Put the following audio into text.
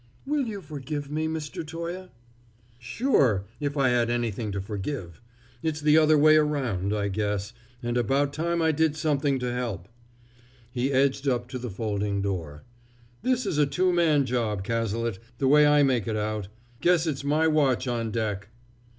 "Will you forgive me, Mr. Toye?" "Sure, if I had anything to forgive. It's the other way around, I guess, and about time I did something to help." He edged up to the folding door. "This is a two man job, Cazalet, the way I make it out. Guess it's my watch on deck!"